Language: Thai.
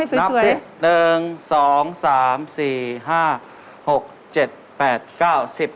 ตรงนี้นับก่อน